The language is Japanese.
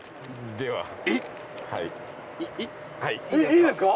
いいですか？